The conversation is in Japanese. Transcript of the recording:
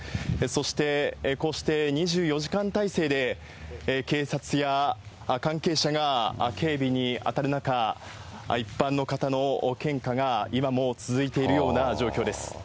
そしてこうして２４時間態勢で警察や関係者が警備に当たる中、一般の方の献花が今も続いているような状況です。